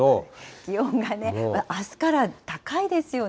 気温がね、あすから高いですよね。